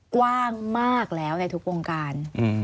กว้างมากแล้วในทุกวงการ